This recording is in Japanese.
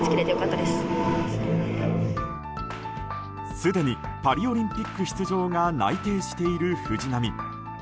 すでにパリオリンピック出場が内定している藤波。